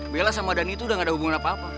bella sama dan itu udah gak ada hubungan apa apa